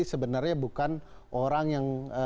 sebenarnya bukan orang yang